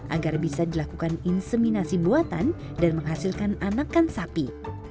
agar bisa dilakukan inseminasi buatan dan menghasilkan anakan sapi